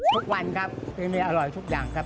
ทุกวันครับเมนูนี้อร่อยทุกอย่างครับ